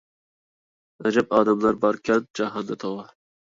ئەجەب ئادەملەر باركەن جاھاندا، توۋا...